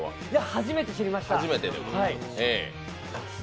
初めて知りました。